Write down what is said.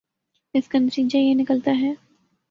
اس کا نتیجہ یہ نکلتا ہے